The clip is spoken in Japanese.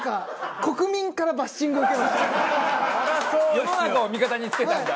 世の中を味方につけたんだ。